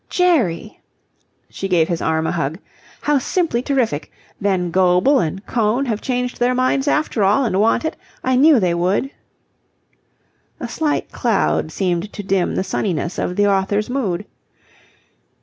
"Jerry!" She gave his arm a hug. "How simply terrific! Then Goble and Kohn have changed their minds after all and want it? I knew they would." A slight cloud seemed to dim the sunniness of the author's mood.